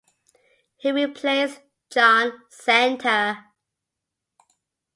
He replaced Jaan Santa.